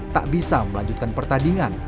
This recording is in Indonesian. tak bisa melanjutkan pertandingan